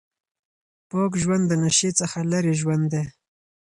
پاک ژوند د نشې څخه لرې ژوند دی.